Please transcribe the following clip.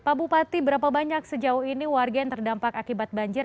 pak bupati berapa banyak sejauh ini warga yang terdampak akibat banjir